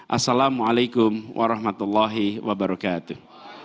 assalamualaikum warahmatullahi wabarakatuh